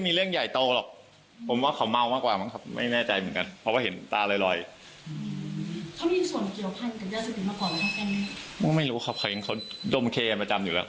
ไม่รู้ครับเขาเองเขาดมเคประจำอยู่แล้ว